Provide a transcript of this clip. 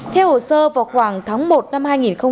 theo hồ sơ vào khoảng tháng một năm hai nghìn một mươi sáu